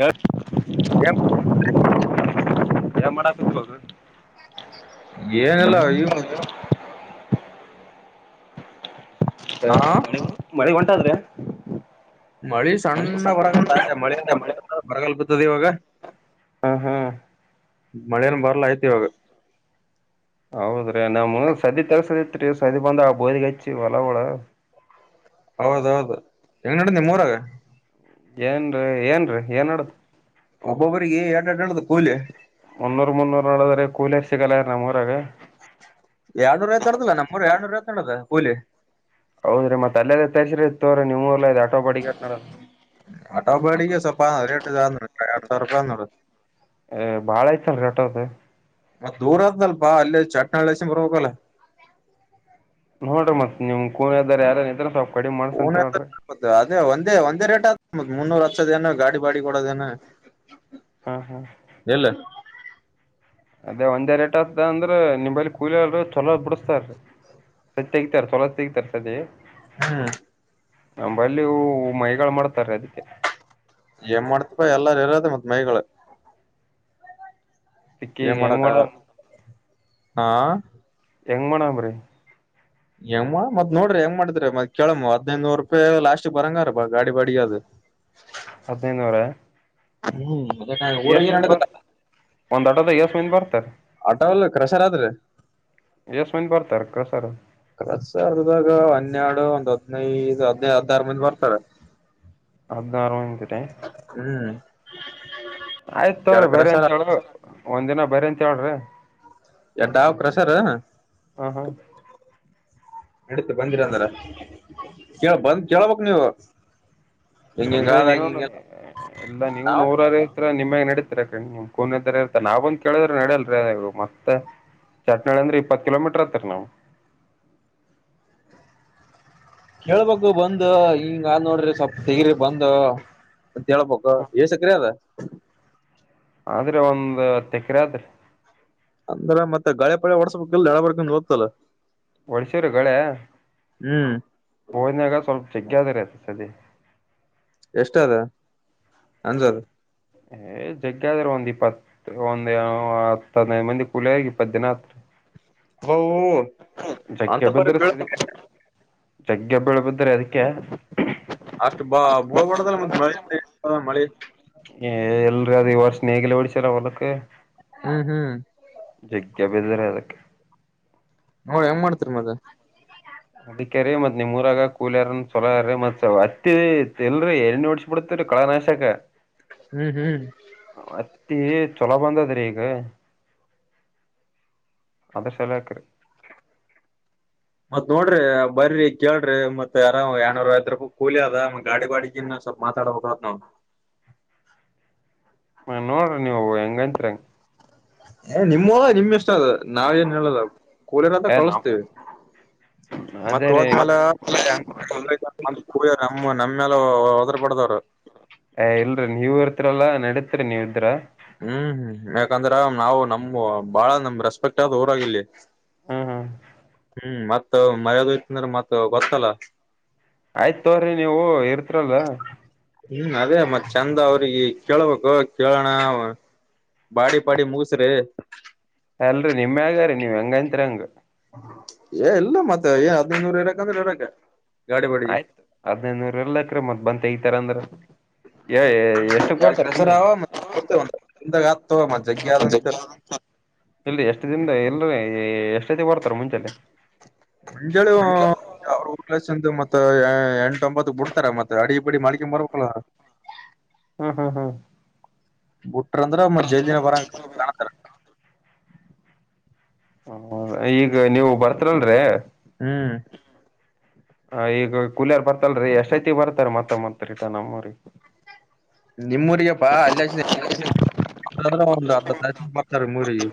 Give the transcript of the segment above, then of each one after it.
ಯ ಏನ್ ಯ ಮಾಡಕ ಬಗ ಹ್ಮ ಏನಿಲ್ಲ ಈ ಅ ಹಾ ಮ ಮಳೆಗ್ ಹೊಂಟಾದ್ರೆ ಮಳಿ ಸಣ್ಣ ಹೊರಗ ಮಳ ಬರಗಲ್ ಬತ್ತದೆ ಇವಾಗ ಹ್ಮ್ ಹ್ಮ್ ಮಲೆಯಾನಂ ಬಾರಲ್ಲ ಆಯತ್ೀವಾಗ ಹೌದ್ರಿ ನಮ್ಮ ಸದಿ ತರ್ಸದಿತ್ರಿ ಸದಿ ಬಂದ ಆ ಬೋದಿಿಗೆ ಹಚ್ಚಿ ಹೊಲವಳ ಹೌದೌದು ಹೆಂಗ ನಡ ನಿಮ್ಮ್ ಮೂರಾಗ ಏನ್ರಿ ಏನ್ರೀ ಏನ್ಡ್ದ ಒಬ್ಬೊಬ್ಬರಿಗೆಿಗೆ ಎಡ ಎಡಾಡ್ದ ಕೂಲಿ ಮುನ್ನೂರ್ ಮುನ್ನೂರ್ ನೋಡದ್ರೆ ಕೂಲಿಯರ್ ಸಿಗಲ್ಲ ನಮ್ಮ ಊರಾಗ ಎರಡ್ನೂರ ಆಯ್ತಡದಾ ನಮ್ಮೂರು ಎರಡ್ನೂರ್ತ ನಡ್ದದ ಹೂಲಿ ಹೌದ್ರೀ ಮತ್ತತ್ ಅಲ್ಲೇದತ್ತ್ರರಿ ಇ ತೋ್ರರಿ ನೀಮೂರಲ್ಲಿ ಆಟೋ ಬಡಿಕತ್ನಾರ ಆಟೊ ಬಾಡಿಗೆ ಸ್ವಲ್ಪ [unintelligible] ಎರಡು ಸಾವಿರಾ ರೂಪಾಯ ಆದ ನೋಡು ಅ ಬಾಳ ಆಯ್ತೇನ್ರೀ ಆಟೋ ದರದ್ದು ಮತ್ತ್ ದೂರ ಅತ್ಲ್ಪಾ ಅಲ್ಲಿೇ ಚಾಟ್ನಾಳ್ಳಸಂಬ್ರ ಬರ್ಬೇಕಲ್ಲ ನೋಡ್ರಿ ಮತ್ ನಿಮ್ ಕೂನಿ ಅದಾರ ಯಾರನ್ ಇದ್ರ ತಾವ ಕಡಿಮ ಮಾಡಸ ಅಂತ ಹೇಳ್ರಿ ಅ ಒಂದೇ ಒಂದೇ ರೇಟ್ ಮುನ್ನೂರು ಹಚ್ಚೋದೇನು ಗಾಡಿ ಬಾಡಿ ಕೊಡೋದೇನು ಹಾ ಹಾ ಅದೇ ಒಂದೇ ರೇಟ್ ಆತ ಅಂದ್ರ ನಿಂಬಲ್ಲಿ ಕೂಲಿಲ್ ಚಲೋ ಬಿಡಸ್ತಾರೀ [unintelligible] [unintelligible] ಹ್ಮ್ ನಂಬಲ್ಲಿೂ ಮೈಗಳು ಮಾಡ್ತಾರೆ ಅದಕ್ಕೆ ಏನ್ ಮಾಡ್ತಿಪ್ಪ ಎಲ್ಲಾರು ಇರದ ಮತ್ ಮೈಗಳ ಸಿಕ್ಕಿಗ ಹೆಂಗಳ ಆಗಲ್ಲ ಹಾ ಹೆಂಗ್ ಮಾಡಣ್ರೀ ಹೆಂಗ ಮತ್ ನೋಡಿ ಹೆಂಗ್ ಮಾಡಿದ್ರಿ ಮತ್ ಕೇಳಮ್ಮ ಹದ್ೈದು್ನೂರು ರೂಪಾಯಿ ಲಾಸ್ಟ್ ಬರಂಗರ ಬಾ ಗಾಡಿ ಬಾಡಿಗೆ ಅದು ಹದಿನೈನೂರ ಹ್ಮ್ ಮದೆ ಊರ ನ [unintelligible] ಒಂದ್ ಅಡದ ಎಸ್ ಮಂದ ಬರ್ತಾರೆ ಆಟಲ್ಲ ಕ್ರಷರ ಆದ್ರೆ ಎಷ್ಟ ಒಂದ ಬರ್ತಾರೆ [unintelligible] ಅರ್ದಾಗ ಹನ್ನೆರಡು ಒಂದ್ ಹದ್ನೈದು ಹದ್ಿನೈದು ಹದ್ಾರ ಮಂದ ಬರ್ತಾರೆ ಅರ್ಧ [unintelligible] ಆಯ್ತು ತವ್ರಿ ಎರಡ್ ಬರಿ ಕ್ರಷರ್ ಅಂತತ್ ಹೇಳ ಒಂದ ದಿನ ಬರಿ ಅಂತ ಹೇಳ್ರಿ ಯ ಡಾವ ಕ್ರಸರ್ ಹ ಹಾ ನಡೀತ ಬಂದಿರ ಅಂದಾರ ಕ ಬಂದ ಕೇಳ್ಬೇಕಕ್ ನೀವು ಹಿಂಗ ಹಿಂಗ ಎಲ್ರ ಆದ ನೀವನು ಹಿಂಗ ಎಲ್ಲ ನೀವ ನಾವ್ ನೂರಾರ ಹತ್ರ ನಿಮ್ಮಾಗ ನ ನಡತ್ ನಿಮ್ ಕೂನ ಇದ ಇರ್ತ ನಾವಂದ ಕೇಳಿದ್ರೆ ನಡಲ್ರಿೀರು ಮತ್ತೆ ಚಾಟ್ನಾಳ ಅಂದ್ರೆ ಇಪ್ಪತ್ತು ಕಿಲೋಮೀಟರ್ ಹತ್ರರ್ ನವು ಕೇಳ್ಬೇಕು ಬಂದ ಹಿಂಗ ಆದ ನೋಡ್ರಿ ಸೊಪ್ಪ ತೆಗ್ರಿ ಬಂದ ೇಳ್ಬಬೇಕು ಸಕ್ರ ಅದ ಆದ್ರೆ ಒಂದ ತೆಕರೆ ಆದ್ರ ಅಂದ್ರ ಮತ್ತ ಗಳೆ ಪಡೆೆ ಹೊಡಸ್ಬೇಕಲ್ಲ ಎಡ ಬರ್ಕ ಹದ್ತಲ್ಲ ಒಡ್ಸೂರು ಗಳೇ ಹ್ಮ್ ಭೋಜನಾಗ ಸ್ವಲ್ಪ ಚಕ್ಕ ಯಾವ್ದರ ಆತ ಸದ ಎಷ್ಟ ಅದ ಅಂಜದ ಏ್ ಜಗ್ಗೆ ಆದ್ರೆ ಒಂದ್ ಇಪ್ಪತ್ತು ಒಂದ್ ಹತ್ತ ಹದ್ನೈದು್ ಮಂದಿ ಕೂಲಿಯ ಆಾಗಿಿ ಇಪ್ಪತ್ತು ದಿನ ಹತ್ರ ಹ ಅಂತ ಪರಿ ಬಿದ್ರಿ ಬೀಳ ಸದಿ ಜಗ್ಗೆ ಬೆಳ ಬದ್ರೆ ಅದಕ್ಕೆ ಅಷ್ಟು ಬಾ ಮುಳಬಡದಲ್ಲ ಮ ಮಳೆ ಮಳೆ ಏ ಎಲ್ರಿ ಅದ ವರ್ಷ ನೇಗಲ ಹೊಓಡಿಸರ ಹೊಲಕ್ಕ ಹ್ಮ್ ಹ್ಮ್ ಬಿದ್ರ ಅದಕ್ಕೆ ಹೆಂಗ್ ಮಾಡ್ತರಿ ಮತ್ತೆ ಅದಕ್ಕೆಾರಿೀ ಮತ್ ನಿಮೂರಾಗ ಕೂಲಿಯಾರ ಚೊಲ್ರ ಮತ್ ಅತ್ತತ್ ಇಲ್ರಿ ಎ ಓಡ್ಸ್ ಬಿಡ್ತರಿ ಕಳನಾಾಶಕ್ಕ ಹ್ಮ್ ಹ್ಮ್ ತ್ತ ಚೊಲೋ ಬಂದದ್ರಿ ಈಗ ಅದ ಚೆಲಕರು ಮತ್ ನೋಡ್ರಿ ಬರ್ರಿ ಕೇಳ್ರ ಮತ್ತತ್ ಯಾರ ಯನೂರ ಐ್ ರೂಪ ಕೂಲಿ ಅದ ಗಾಡಿ ಬಾಡಗಿ ಸ್ವಲ್ ಮಾತಾಡ ನ ಹ ಹ ನೋಡ್ರಿ ನೀವು ಹೆಂಗಂತರಿಂಗ ಏ ನಿಮ್ಮ ಅಲ್ಲ ನಿಮ್ಮ್ ಇಷ್ಟ ಅ ನಾವ ಏನ್ ಹೇಳಲ್ಲ ಕೂಲಿಯರತ್ರ ಏ ನಮ್ ಕಳಸ್ತೇವಿ ಅದೇ ಮತ್ತತ್ ರೀ ಹೋದ್ಮೇಾಲ ನಮ್ಮ ನ ಮೇಲೆ ಉದ್ರ ಪಡದವ್ರು ಅ ಇಲ್ರೀ ನೀವ ಇರ್ತಲ್ಲಾ ನಡತ್ರಿೀ ನೀವ್ರ ಹ್ಮ್ ಹ್ಮ್ ಯಾಕಂದ್ರ ನಾವು ನಮ ಬಾಳ ನಮ ರೆಸ್ಪೆಕ್ಟ್ ಆದ್ ಊರಾಗಿಲ್ಲಿ ಹ್ಮ್ ಹ್ಮ್ ಹ್ಮ್ ಮತ್ ಮರ್ಯಾದ ಇಯ್ತ ಅಂದ್ರೆ ಮತ್ ಗೊತ್ತಲ್ಲ ಆಯ್ತ್ ತೋರಿ ನೀವು ಇರ್ತಿರಲ್ಲ ಹ್ಮ್ ಅದೇ ಮತ್ ಚಂದ ಅವ್ರಿಗೆ ಕೇೇಳಬೇಕು ಕೇಳೋಣ ಬಾಡಿ ಪಾಡಿ ಮೂಗಸರು ಅಲ್ರಿ ನಿಮ ಆಗಾರಿೀ ನೀವ್ ಹೆಂಗತ್ ಹಂಗ ಏ ಎಲ್ಲ ಮತ್ತೆ ಏ ಹದ್ಿನೈನೂರ ಇರಾಕ್ಂದ್ರೆ ಇರಾಕ್ಕ ಆಯ್ತು ಹದ್ೈದುನೂರ್ ಎಲ್ಲಾಕ್ರ ಮತ್ ಬಂತತ್ ಹ ಈತರ ಅಂದ್ರ ಏ ಎಷ್ಟಕ್ ಎಡ್ ಬರ್ತಾರ ಕೆಸರ ಮುಂಜಾನೆ ಹಂದಾಗತ ಮ ಜಜ್ಞ ಅ ಇಲ್ಲಿ ಎಷ್ಟು ದಿನದ ಎಲ್ಲ ಎಷ್ಟಐತಿ ಬರ್ತಾರ ಮುಂಚೆ ಮಂಜಳು ಅವ ಲಕ್ಷಂದು ಮತ್ತ ಎಂಟೊಂಬತ್ತು ಬಿಡ್ತಾರೆ ಮತ್ತೆ ಅಡಿ ಬಡಿ ಮಾಳಿಕೆಂಬರಲ್ಲ ಹ್ಮ್ ಹ್ಮ್ ಹ್ಮ್ ಬಿುಟ್ರಂದ್ರ ಮ್ಜೈ ದಿನ ಬರಂಗ ಕಾಣತಾರ ಹ ಈಗ ನೀವು ಬರ್ತರಲ್ರೀ ಹ್ಮ್ ಹ ಈಗ ಕಲಿಯರ್ ಬರ್ತಲ್ರಿೀ ಎಷ್ಟಐತಿ ಬರ್ತಾರ ಮತ್ತ ಮತ್ ರತ ನಮ್ಮೂ್ರ ನಿಮ್ ೂರಿಗೆಪ್ಪಾ ಅಲ್ಲಿದ್ರ ಒಂದು್ ಹತ್ತು ಹತ್ತು ಲ ಬರ್ತಾರ ನಿಮ್ಮ ಊರಿಗೆ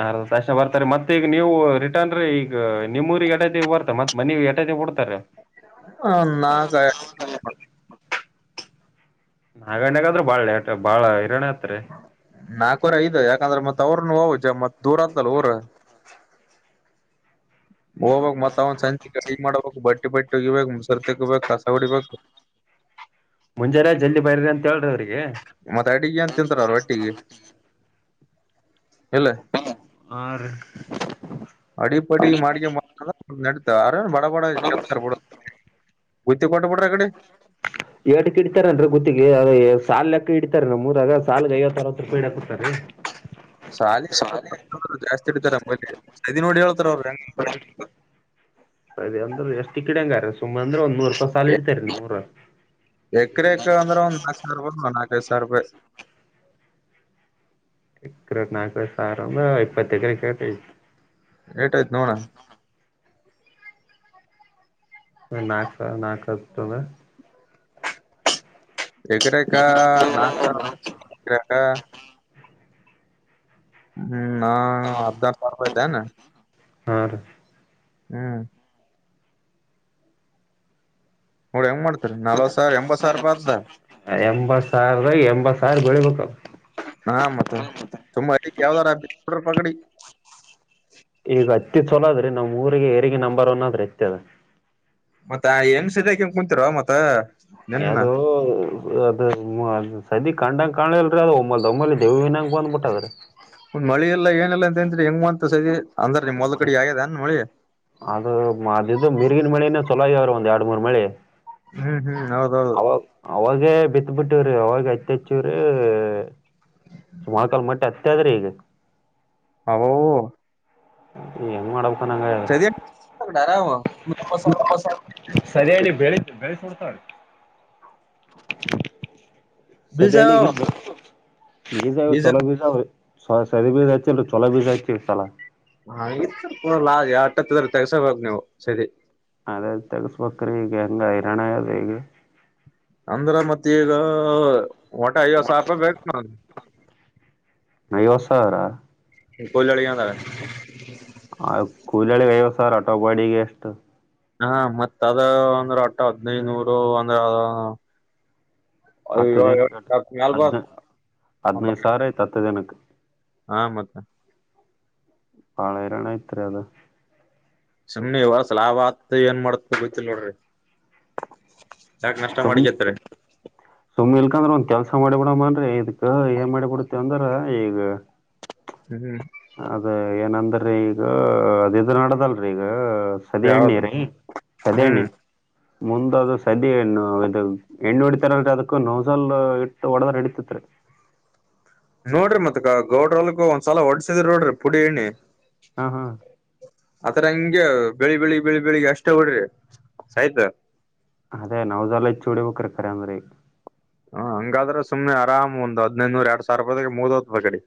ಹ ತಕ್ಷಣ ಬರ್ತಾರೆ ಮತ್ತ ಈಗ ನೀವು ರಿಟರ್ನ್ ರೀ ಈಗ ನಿಮ್ಮೂರಿಗೆ ಎಟತಿ ಬರ್ತ ಮತ್ನ ಎಟಡ್ತ [inaudible] ನಾಕ ನಾಗಣ್ಯಗಾದ್ರೂ ಬಾಳ ಬಾಳ ಹಿರಣ್ಯ ಹತ್ರರಿ ಉರ ಇದೆ ಯಾಕಂದ್ರೆ ಮತ್ ಅವ್ರನು ಅವಚ ಮತ್ ದೂರ ಆತಲ್ಲ ಅವರ ಹೋಗ್ಕ್ ಮತ್ತತ್ ಅವ್ ಸಂಜೆ ಗಾಡಿ ಮಾಡ್ಬೇಕಕ್ ಬಟ್ಟಿ ಬಟ್ಟಿ ಉಗಿಬೇಕಕ್ ಮುಸರ್ ತಗೋಗಬೇಕು ಕಸ ಹೊಡಿಬೇಕು ಸಂಜರಾ ಜಲ್ಲಿ ಬೈ್ರಿ ಅಂತ ಹೇಳ್ರಿ ಅವ್ರಿಗೆ ತಿಂತಾರಲ್ಲ ಒಟ್ಟಿಗೆ ಇಲ್ಲ ಹಾ ರೀ ಅಡಿಪಡಿ ಮಾಡಡಿಕೆ ಮಾಡ ನ ಬ ಬತ ಬತ ಕಟ ಬಡ ಕಡೆ ಏಟಕ್ ಇಡ್ತಾರೇನ್ರಿ ಗುತ್ತಿಗೆ ಸಾಾಲಲ್ ಲೆಕ್ಕ ಇಡ್ತಾರೆ ಮೂರಾಗ ಸಾಲಗೆ ಐವ ಅರವತ್ತು ರೂಪಾಯಿ ಇಡಾಕ್ ಕೊಡ್ತಾರೆ [inaudible] ಸಾಲ ಜಾಸ್ತಿ ಇಡ್ತಾರೆ ಇದೋಡಿ ಹೇಳ್ತಾರೆ ಅವರು ಅದ ಅ್ರ ಎಷ್ಟ ಕಿಡ ಹಂಗಾರ ಸುಮ್ ಅಂದ್ರ ಒಂದ್ ನೂರು ರೂಪಾಯ ಸಾಲ ಇಡ್ತಾರೆರಿ ನೂ ಎಕರೆ ಎಕ ಅಂದ್ರ ಒಂದು ನಾಕು ಸಾವಿರ ರೂಪಾಯಿ ನಾಕೈಐದು ಸಾವಿ ರೂಪಾಯಿ ಇ ನಾಲ್ಕ ಸಾವಿರ ಅಂದ ಇಪ್ಪತ್ತ ಕ್ರ ಕಟ ಏಟ್ ಐತ್ ನೋಡ ನಾಲ್ಕ ನಾಲ್ಕು ಹತದ ಎಗಡೆ ಕ ನಾಚ ಹ್ಮ್ ನ ಅದದ ಸಾರ ಭತ ಹ ಹ್ಮ್ ನೋಡಿ ಹೆಂಗ ಮಾಡ್ತರಿ ನಲ್ವತ್ ಸಾವಿರ ಎಂಬತ್ ಸಾವಿರೂಪ ಅದ ಎಂಬತ್ ಸಾವಿರ ಎಂಬತ್ ಸಾವಿರ ಬೆಳಿಬೇಕ ಹಾ ಮತ್ತ ತುಂಬಾ ಅ ಯಾವ್ದಾರಡ ಪಗಡಿ ಈಗ ಹತ್ತಿ ಚಲೋ ಅದ್ರಿ ನಾವ್ ಊರಿಗೆ ಏರಿಗೆ ನಂಬರ್ ಒನ್ ಆದ್ರೆ ಅತ್ತ ಅದ ಮತ್ತ ಹೆಮ್ ಸದಕಮ್ ಕುಂತರ ಮತ್ತತ್ ಯಾವ್ದೋ ಅದು ಸದಿ ಕಂಡಂಗ್ ಕಾಣಲ್ರರಿ ಅದು ಒಮ್ಮೊಮ್ಮಲ್ಲಿ ದೇವಿನಂಗ ಬಂದ್ಬಿಟ್ಟದ್ರಿ ಒಂದ್ ಮಳಿ ಎಲ್ಲಾ ಏನೆಲ್ಲಾ ಅಂತನ್ರಿ ಹೆಂಗ್ ಮಾಂತ ಸರಿ ಅಂದ್ರ ಮಲಕಡಿ ಆ ಮಾಡಿ ಇದು ಮಿರಿಗಿನ ಮಳಿನ ಚಲೋ ಇ ಅವ್ರರು ಒಂದ ಎರಡು ಮೂರ್ ಮಳೆ ಹ್ಮ್ ಹ್ಮ್ ಹೌದೌದು ಅವ ಅವಾಗ ಬಿ ಅತ್ ಬಿಟ್ಟವ್ರಿ ಅವಾಗ ಐತ್ ಹಚ್ಚವ್ರೀ ಸುಮಾಕಾಲ್ ಮಟ್ಟೆ ಅತ್ತೆ ಆದ್ರೆ ಈಗ ಹವು ಏನು ಮಾಡಡ ಗ ಹೇಳ ಸರಿಯ ಬೆಳಿ ಬೆಳ ಸಡ್ತಾಾರೆ ಬೀಜ ಸದಯ ನೀ ಈ ಬೀಜ ಚಲ ಬಿಸ ಸ ಚಲ ಬಿಷ ತಾಲಾ ಹ ಕೂಡಲ್ಲ ಆಟತ್ತ್ರ ತೆಗಸೋಬೇಕಕ್ ನೀವು ಸರಿ ಅದೇ ತೆಗಸ್ಬೇಕ್ರೀ ಈಗ ಹೆಂಗ ಹಿರರಣ ಅದು ಈಗ ಅಂದ್ರ ಮತ್ತೆ ಈಗ ಹೊಟ ಐವತ್ತು ಸಾವಿರ ರೂಪಾಯಿ ಬೇಕು ನಾವ ನಯವ ಸಾವಿರ ಕೊಲ್ಲಳ ಯದ ಆ ಕೂಲಳಿ ಅಯ್ಯವ ಸರ್ ಅಟೋ ಬಾಡಿಗೆ ಎಷ್ಟು ಹಾ ಮತ್ತ ಅದ ಒಂದ್ರ ಅಟ್ಟ ಹದ್ನೈದನೂರು ಒಂದ್ರ ಹತ್ತು ದಿನಕ್ಕೆ ಅಲ್ಬ ಹದ್ನ ಹದ್ನೈದು ಸಾವಿರ ಐತ್ ಹತ್ತು ದಿನಕ್ಕೆ ಹಾ ಮತ್ತೆ ಪಳೆಯರಣ ಇತ್ರ ಅದು ಸಮಿ ಇವಸ ಲಾಭ ಆತ್ ಏನ್ ಮಾಡಾತ್ ಗತಿ ನೋಡ್ರಿ ಯಾಕ ನಷ್ಟ ಮಾಡಿಕತ್ತ ಯಾಕಂದ್ರ ಒಂದ್ ಕೆಲ್ಸ ಮಾಡಿ ಬಿಡ ಮನ್ ಇದಕ್ ಏನ್ ಮಾಡಿಬಿಡ್ತೇವ ಅಂದ್ರ ಈಗ ಹ್ಮ್ ಅದ ಏನಂದ್ರೀ ಈಗ ಅದ ನಡದಲ್ರರಿ ಈಗ ಸದೆಣ್ಣೆ ಯಾವ್ದ ರ ಸದಣ್ಣೆ ಹ್ಮ್ ಮುಂದ ಅದು ಸದಣ್ಣ ಇದು ಎಣ್ಣು ಹೊಡಿತಾರಲ್ರಿ ಅದಕ್ಕ ನೋಸಲ್ ಇಟ್ಟು ಹೊಡದ್ರ ನಡಿತತ್ರಿ [unintelligible] ನೋಡ್ರಿ ಮತ್ತಕ್ಕ ಗೌಡ್ರಲ್ಕ್ಕ ಒಂದ್ಸಲ ಹೊಡ್ಸಿದ್ರ ನೋಡ್ರಿ ಪುಡಿ ಎಣ್ಣಿ ಹಾ ಹಾ ಹಂಂಗಗೆ ಬೆಳಿ ಬೆಳಿಗ್ ಬೆಳಿ ಬೆಳಿಗ್ ಅಷ್ಟೇ ಹೊಡ್ರಿ ಆಯ್ತಾ ಅದೇ ನಾವ್ದಲ್ಲ ಇ ಚ ಹೊಡಿಬೇಕ್ರ ಕರ ಅಂದ್ರರಿ ಹ ಹಂಗಾದ್ರೆ ಸುಮನೆ ಆರಾಮ್ ಒಂದು ಹದ್ನೂರಡವಿರ ರೂಪಾಯಗೆ ಮುದತ್ ಬಗಡಿ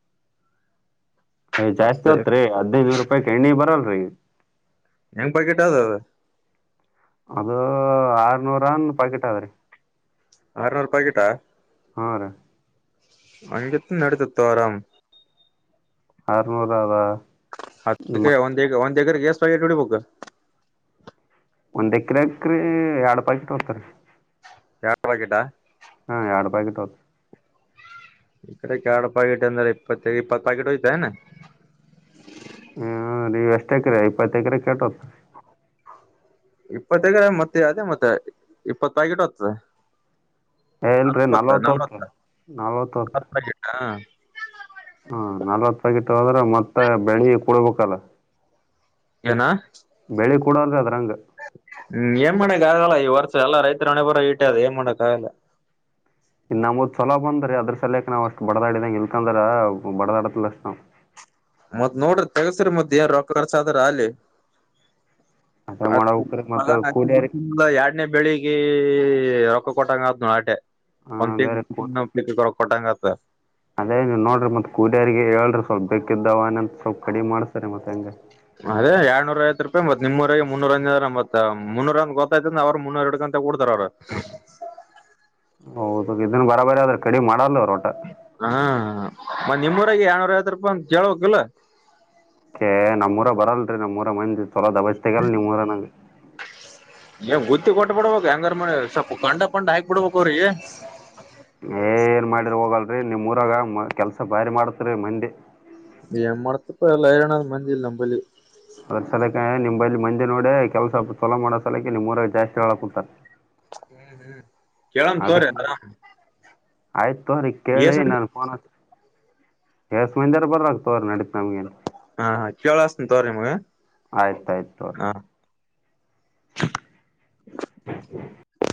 [unintelligible] ಯ್ ಮತ್ತೆ ಜಾಸ್ತಿ ತ್ರಿ ಹದದುನೂರು ರೂಪಾಯಕ್ ಎಣ್ಣಿ ಬರಲ್ರರಿ ಕಾವ ಅದು ಆರನೂರ ಪಾಕೆಟ್ ಆದಾವ್ರೀ ಆರನೂರು ರೂಪಾಯಗಿಟಾ ಹಾ ರ ಅಂಗತ ನಡತ ತಾರಾಮ ಆರನೂರು ಅದಾ ಅದಕ್ಕೆ ಒಂದ್ ಒಂದ್ ಏಕರ್ ಎಷ್ಟಟ್ ಹೊಡಿಬೇಕ ಒಂದ್ ಎಕ್ರ ಎಕ್ರಿ ಎರಡ್ ಪಿಟ್ ಹೋಗ್ತಾರ ಬ್ಯಾಸರ ಆಗಿಲ್ಲ? [unintelligible] ಹಾ ಯಾಡ ಪ್ಯಾಕೆಟ್ ಹೊತ್ [unintelligible] ಕಡೆಕ ಯಾಡ ಪ್ಯಾಕೆಟ್ ಅಂದ್ರೆ ಇಪ್ಪತ್ತ ಇಪ್ಪತ್ತು ಪ್ಯಾಕೆಟ್ ಒಯತ್ತಿ ಏನ್ [unintelligible] ನೀವೂ ನೀವ್ ಎಷ್ಟ ಎಕರೆ ಇಪ್ಪತ್ತ ಎಕರೆ ಎಸ್ಟ್ ಹೋತ? [unintelligible] ಇಪ್ಪತ್ತ ಎಕರೆ ಮತ್ತೆ ಅದೇ ಮತ್ತ ಇಪ್ಪತ್ತ ಪ್ಯಾಕೆಟ್ ಹೋಗಾತ್ತದ [unintelligible] ಏ ಇಲ್ರಿ ಅನಸವಾಲತ್ತ ನಲ್ವತ್ತು ನಲವತ್ತ ಹೋಗ್ತಾರೆ ಕತ್ತಲ ಆಗ್ಯತ್ [unintelligible] ಹ ನಲ್ವತ್ತ ಪ್ಯಾಕೆಟ್ ಹೋದ್ರ ಮತ್ತ ಬೆಳಿ ಕುಡ ಬೇಕಲ್ಲ? [unintelligible] ಏನ? [unintelligible] ಕೊಡೋಲ್ರಿ ಅದ್ರಂಗೆ ನೀ ಏನ್ ಮಾಡತ್ತಿ? [unintelligible] ಪ್ಯಾರಲ ಹೊಲಾ ಈ ವರ್ಷ ಎಲ್ಲ ರೈತರ ಹಣೆ ಬರ ಇಟ್ಟೆ ಅದು ಏನ್ ಮಾಡಕ್ಕಾಗಲ್ಲ? [unintelligible] ನಮ್ಮವ ಚೋಲೋ ಬಂದುವರಿ ಅದರ ಸಲವಾಗಿ ನಾವ್ ಅಷ್ಟ ಬಡದಾಡಿದ್ವಿ ಇಲ್ಕಂದ್ರ ಬಡದಾಡುದಿಲ್ಲ ಅಷ್ಟ ನಾವ್ [unintelligible] [unintelligible] ಮತ್ತ ನೋಡ್ರಿ ತೆಗಸ್ರಿ ಮತ್ತ ಏ ರೊಕ್ಕ ತಗೋಸ್ಕರದರಾಗಲಿ? ಅದೇ [unintelligible] ಆತ ಮಾಡ್ಬೇಕ್ರಿ ಮಗ ಮತ್ತು ನಾಟಿ ಕೂಲಿಯರಿ ಬಿತ್ತಿ ಇಲ್ಲಾ ಎರಡ್ನೇ ಬೆಳಿಗೇ [unintelligible] ಏ ರೊಕ್ಕ ಕೊಟ್ಟಂಗ ಆತನೂ ಆಟೆ ಹಾಂ ಒಂದ್ ಅದೇ ರೀ ಕೂ ತಿಂಗಳ [inaudible] ಕೊಟ್ಟಂಗ ಆತ [unintelligible] ಅದೇ ನೀವು ದವಾನ ನಂದ ಸ್ವಲ್ಪ ಕಡಿಮೆ ಮಾಡಿಸಿರಿ ಮತ್ತೆ ಹೆಂಗ್ [unintelligible] ಅದೇ ಎರಡನ್ನೂರು ಐವತ್ತ ರೂಪಾಯಿ ಮತ್ತ ನಿಮ್ಮ ಊರಗೆ ಮುನ್ನೂರ ಹಂಗ ಆದರ ಮತ್ತ ಮುನ್ನೂರ ಗೊತ್ತ ಅಂದರ್ ಅವರ ಮುನ್ನೂರ ಹಿಡಕೋ [unintelligible] ಅಷ್ಟೇ ಬುಡತಾರ ಅವ್ರ [unintelligible] ಹೌದ ಇದನ್ ಬರಬರಿ ಆದ್ರ ಕಡಿಮ ಮಾಡಲ್ಲ ಅವರ? [unintelligible] ಹ ಮನ್ ನಿಮ್ಮೂರಗೆ ಎರಡನ್ನೂರು ಐವತ್ತ ರೂಪಾಯಿ ಅಂತ ಕೇಳ ಬೇಕ ಇಲ್ಲ? [unintelligible] ಏ ನಮ್ಮ ಊರಗ ಬರಲ್ರಿ ನಮ್ಮ ಊರ ಮಂದಿ ಚೊಲೋ ದಬತಗಲ್ ನಿಮ್ಮ ಊರ ನಂಗ? [unintelligible] ಏ ಗುತ್ತಿಗೆ ಕೊಟ್ಟ ಬಿಡ್ಬೇಕ ಹೆಂಗಾರ ಮಾಡಿ ಸ್ವಲ್ಪ ಕಂಡ ಪಂಡ್ ಹಾಕ್ ಬಿಡ್ಬೇಕ ಅವ್ರೀಗೆ. [unintelligible] ಏನ್ ಮಾಡಿದರು ಹೋಗಲ್ರರಿ ನಿಮ್ಮ ಊರಾಗ ಕೆಲಸಾ ಭಾರಿ ಮಾಡತ್ರಿ ಮಂದಿ [unintelligible] ಏನ್ ಮಡಾತಿಪ್ಪ ಎಲ್ಲ ಏರನ ಮಂದಿ ಇಲ್ಲ ನಂಬಲಿ. [unintelligible] ಬರ್ತಡೆಕ ನಿಮ್ಮ ಬಂಲಿ ಮಂದೆ ನೋಡೆ ಕೆಲಸ ಚಲೋ ಮಾಡೋತಾಳ ಆಕೆ ನಿಮ್ಮ ಊರಾಗ ಜಾಸ್ತಿ ಹೇಳಕುಂತಾರ? [unintelligible] ಹು ಹೇಳ ಕೇಳನ್ ತೋಗೋರಿ ಆರಾಮ? [unintelligible] ಆಯ್ತ ತೊಗರಿ ಕೇಳಿ ನಾನ್ ಪೋನ್ ಹಚ್ [unintelligible] ಎಸ್ಟ್ ಮಂದಿರ ಬರವಾಲರಾ ತೊಗರಿ ನಡಿತತ್ ನಮ್ಗ ಏನ್ [unintelligible] ಹಾ ಹ ಕೇಳ ಹಸ್ತಿನೀ ತೊಗರಿ ನಿಮಗ ಆಯ್ತು ಆಯ್ತು ತೋರಿ ಹಾ [unintelligible] [unintelligible]